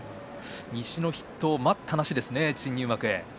西の筆頭待ったなしですね新入幕。